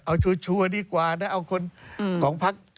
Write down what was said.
เอาชัวร์ดีกว่านะ